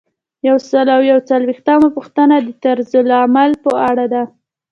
یو سل او یو څلویښتمه پوښتنه د طرزالعمل په اړه ده.